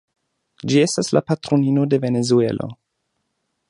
Ĝi estas la patronino de Venezuelo.